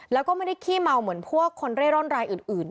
แล้วก็ไม่ได้ขี้เมาเหมือนพวกคนเร่ร่อนรายอื่น